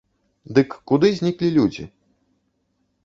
Дык куды зніклі людзі?